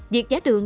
việc giá đường